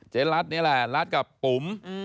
เจ๊รัฐครับกลับปุ๋ม